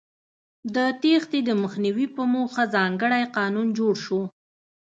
د تېښتې د مخنیوي په موخه ځانګړی قانون جوړ شو.